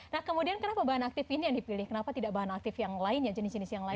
nah kemudian kenapa bahan aktif ini yang dipilih kenapa tidak bahan aktif yang lainnya jenis jenis yang lain